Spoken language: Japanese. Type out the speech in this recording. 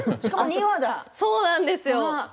そうなんですよ。